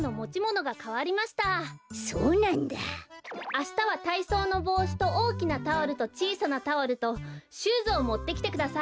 あしたはたいそうのぼうしとおおきなタオルとちいさなタオルとシューズをもってきてください。